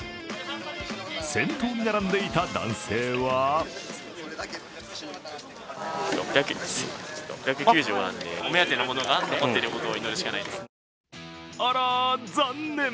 先頭に並んでいた男性はあら、残念。